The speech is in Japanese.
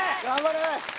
頑張れ！